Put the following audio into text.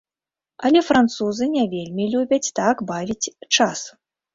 Але французы не вельмі любяць так бавіць час.